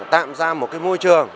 tạm ra một môi trường